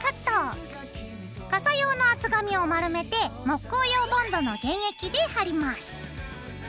傘用の厚紙を丸めて木工用ボンドの原液で貼ります。